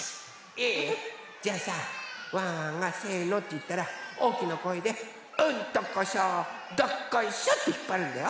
いい？じゃあさワンワンが「せの」っていったらおおきなこえで「うんとこしょどっこいしょ」ってひっぱるんだよ？